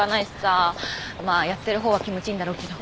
まあやってる方は気持ちいいんだろうけど。